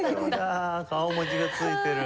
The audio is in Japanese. ああ顔文字がついてる。